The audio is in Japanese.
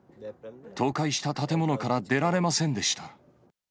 倒壊した建物から出られませんでした。